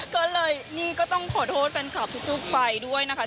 ก็เลยนี่ก็ต้องขอโทษแฟนคลับทุกฝ่ายด้วยนะคะ